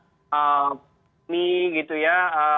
ini gitu ya